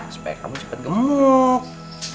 supaya kamu cepet gemuk